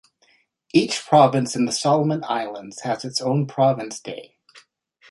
Each province in the Solomon Islands has its own Province Day.